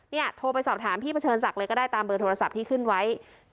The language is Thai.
โทรไปสอบถามพี่เผชิญศักดิ์เลยก็ได้ตามเบอร์โทรศัพท์ที่ขึ้นไว้